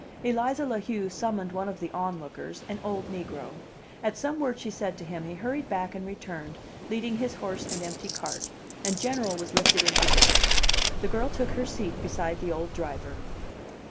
Eliza La Heu summoned one of the onlookers, an old negro; at some word she said to him he hurried back and returned, leading his horse and empty cart, and General was lifted into this. The girl took her seat beside the old driver.